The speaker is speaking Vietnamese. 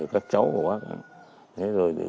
các cháu của bác